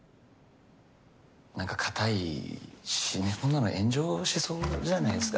何か堅いしねこんなの炎上しそうじゃないですか？